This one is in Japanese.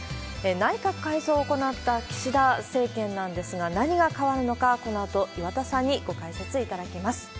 内閣改造を行った岸田政権なんですが、何が変わるのか、このあと、岩田さんにご解説いただきます。